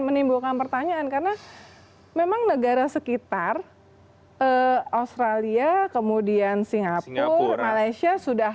menimbulkan pertanyaan karena memang negara sekitar australia kemudian singapura malaysia sudah